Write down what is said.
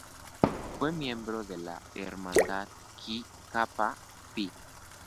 Fue miembro de la hermandad Pi Kappa Phi.